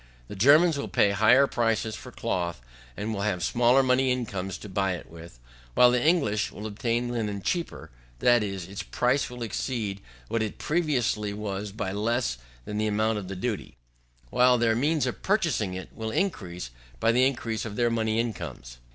The Germans will pay higher price for cloth, and will have smaller money incomes to buy it with; while the English will obtain linen cheaper, that is, its price will exceed what it previously was by less than the amount of the duty, while their means of purchasing it will be increased by the increase of their money incomes.